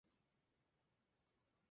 La fecha de su muerte es incierta.